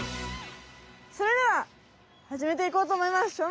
それでははじめていこうと思います。